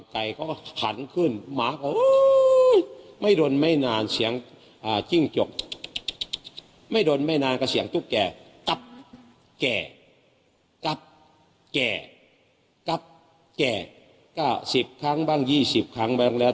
ใจเขาขันขึ้นหมาเขาไม่โดนไม่นานเสียงจิ้งจกไม่โดนไม่นานก็เสียงตุ๊กแก่กับแก่กับแก่กับแก่ก็สิบครั้งบ้างยี่สิบครั้งบ้าง